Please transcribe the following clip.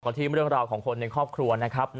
ที่เรื่องราวของคนในครอบครัวนะครับ